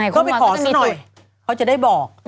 ก็ไปขอสักหน่อยเขาจะได้บอก